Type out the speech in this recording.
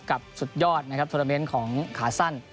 สุดยอดนะครับโทรเมนต์ของขาสั้น